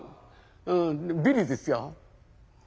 うんビリですよ。